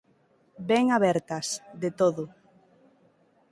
Ben abertas, de todo.